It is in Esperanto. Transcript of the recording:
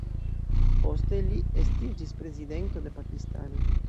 Poste li estiĝis Prezidento de Pakistano.